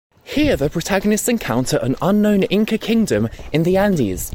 Here the protagonists encounter an unknown Inca kingdom in the Andes.